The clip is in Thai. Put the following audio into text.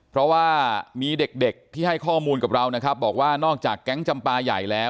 เพราะว่ามีเด็กที่ให้ข้อมูลกับเรานะครับบอกว่านอกจากแก๊งจำปลาใหญ่แล้ว